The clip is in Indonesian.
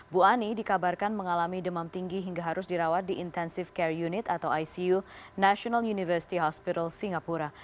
bu ani dikabarkan mengalami demam tinggi hingga harus dirawat di intensive care unit atau icu national university hospital singapura